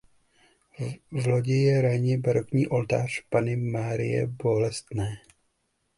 V lodi je raně barokní oltář "Panny Marie Bolestné".